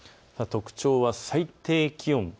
特徴は最低気温。